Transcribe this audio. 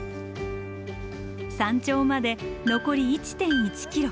山頂まで残り１．１ｋｍ。